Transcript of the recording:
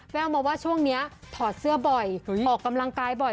แววมาว่าช่วงนี้ถอดเสื้อบ่อยออกกำลังกายบ่อย